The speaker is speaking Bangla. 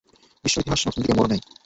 বিশ্ব-ইতিহাস নতুন দিকে মোড় নেয়।